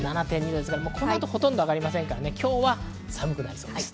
この後、ほとんど上がりませんから今日は寒くなりそうです。